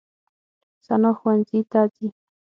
ثنا ښوونځي ته ځي.